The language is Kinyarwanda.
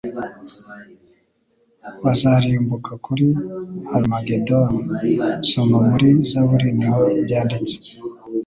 bazarimbuka kuri Harimagedoni Soma muri Zaburi niho byanditse